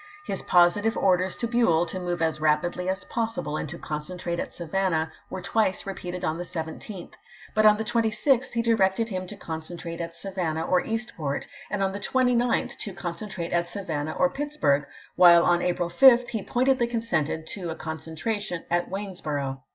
His positive orders to Buell to move as rapidly as possible and to concentrate at Savan nah were twice repeated on the 17th ; but on the 26th he directed him to concentrate at Savannah or Eastport, and on the 29th to concentrate at Savannah or Pittsburg, while on April 5 he point edly consented to a concentration at Waynesbor ough.